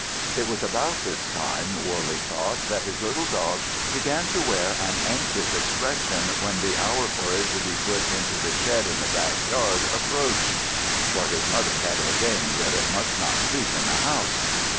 It was about this time, Worby thought, that his little dog began to wear an anxious expression when the hour for it to be put into the shed in the back yard approached. (For his mother had ordained that it must not sleep in the house.)